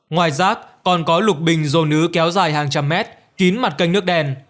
ngoài rác còn có lục bình dồ nứ kéo dài hàng trăm mét kín mặt kênh nước đen